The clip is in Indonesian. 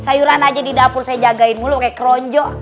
sayuran aja di dapur saya jagain mulu kayak keronjo